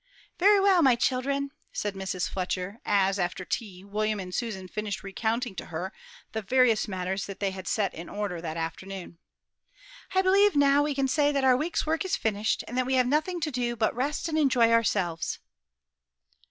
"Very well, my children," said Mrs. Fletcher, as, after tea, William and Susan finished recounting to her the various matters that they had set in order that afternoon; "I believe now we can say that our week's work is finished, and that we have nothing to do but rest and enjoy ourselves."